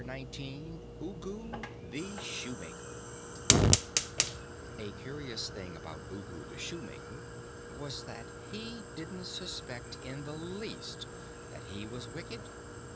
CHAPTER 19 UGU THE SHOEMAKER A curious thing about Ugu the Shoemaker was that he didn't suspect in the least that he was wicked.